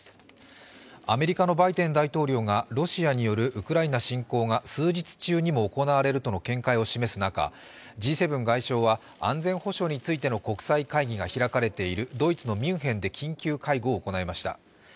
アメリカのバイデン大統領がロシアによるウクライナ侵攻が数日中にも行われるとの見解を示す中、Ｇ７外相は、安全保障についての国際会議が開かれているドイツのミュンヘンで緊急会合を行いました。